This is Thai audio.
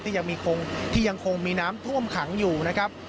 ยังคงที่ยังคงมีน้ำท่วมขังอยู่นะครับ